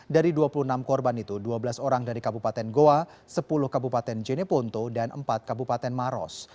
dari dua puluh enam korban itu dua belas orang dari kabupaten goa sepuluh kabupaten jeneponto dan empat kabupaten maros